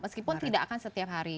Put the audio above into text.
meskipun tidak akan setiap hari